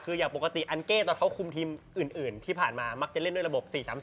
คืออย่างปกติอันเก้ตอนเขาคุมทีมอื่นที่ผ่านมามักจะเล่นด้วยระบบ๔๓๔